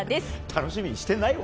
楽しみにしてないわ。